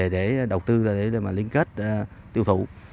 để mà liên kết tiêu thụ